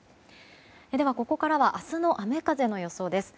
では、ここからは明日の雨風の予想です。